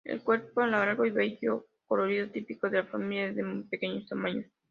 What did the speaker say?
De cuerpo alargado y bello colorido típico de la familia, de muy pequeño tamaño.